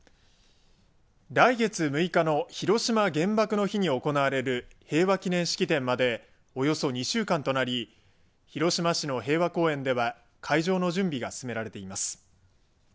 来月６日の広島原爆の日に行われる平和記念式典までおよそ２週間となり広島市の平和公園では会場の準備が進められています。